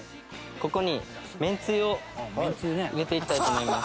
ここにめんつゆを入れていきたいと思います。